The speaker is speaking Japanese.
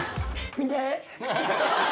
見て。